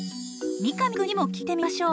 三上君にも聞いてみましょう。